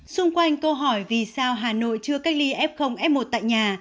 xung quanh câu hỏi vì sao hà nội chưa cách ly f f một tại nhà